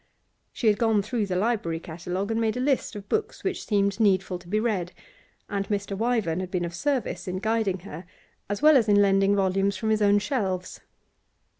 She had gone through the library catalogue and made a list of books which seemed needful to be read; and Mr. Wyvern had been of service in guiding her, as well as in lending volumes from his own shelves.